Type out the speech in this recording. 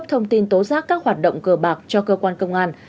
thông tin tố giác các hoạt động cờ bạc cho cơ quan công an